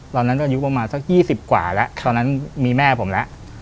ตอนนั้นอายุประมาณสัก๒๐กว่าแล้วตอนนั้นมีแม่ผมแล้ว